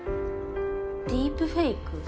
ディープフェイク？